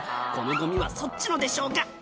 「このゴミはそっちのでしょうが」